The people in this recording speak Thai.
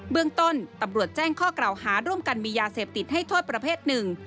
เรื่องต้นตำรวจแจ้งข้อกล่าวหาร่วมกันมียาเสพติดให้โทษประเภทหนึ่ง